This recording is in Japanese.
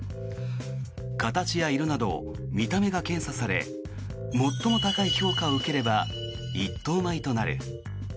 形や色など見た目が検査され最も高い評価を受ければ一等米となる。